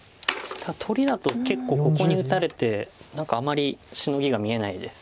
ただ取りだと結構ここに打たれて何かあまりシノギが見えないです。